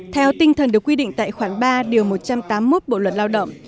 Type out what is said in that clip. theo tinh thần được quy định tại khoản ba điều một trăm tám mươi một bộ luật lao động